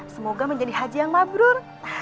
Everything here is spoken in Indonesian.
semoga menjadi haji yang mabrur